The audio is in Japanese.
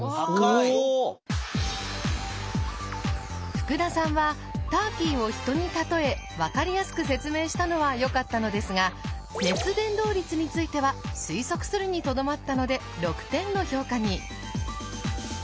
福田さんはターキーを人にたとえ分かりやすく説明したのはよかったのですが熱伝導率については推測するにとどまったので６点の評価に。